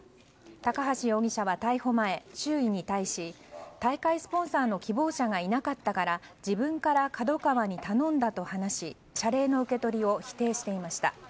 高橋容疑者は逮捕前周囲に対し大会スポンサーの希望者がいなかったから自分からＫＡＤＯＫＡＷＡに頼んだと話し謝礼の受け取りを否定していました。